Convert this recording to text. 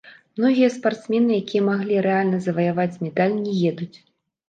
Многія спартсмены, якія маглі рэальна заваяваць медаль, не едуць.